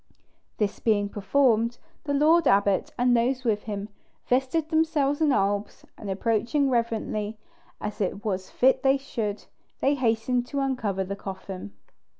This being performed, the lord abbot and those with him vested themselves in albs; and approaching reverently, as it was fit they should, they hastened to uncover the coffin.